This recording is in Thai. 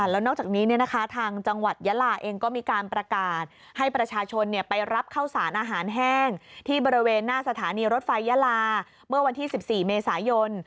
แล้วนอกจากนี้ทางจังหวัดยาลาเองก็มีการประกาศให้ประชาชนไปรับข้าวสารอาหารแห้งที่บริเวณหน้าสถานีรถไฟยาลาเมื่อวันที่๑๔เมษายน